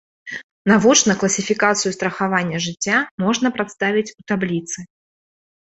Навочна класіфікацыю страхавання жыцця можна прадставіць у табліцы.